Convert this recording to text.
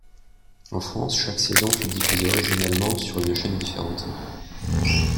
En France, chaque saison fut diffusée originellement sur une chaîne différente.